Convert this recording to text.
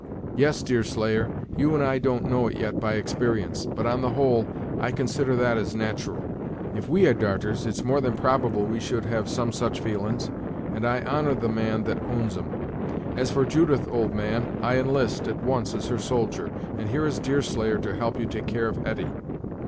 "Yes, Deerslayer, you and I don't know it yet by experience; but, on the whole, I consider that as nat'ral. If we had darters, it's more than probable we should have some such feelin's; and I honor the man that owns 'em. As for Judith, old man, I enlist, at once, as her soldier, and here is Deerslayer to help you to take care of Hetty."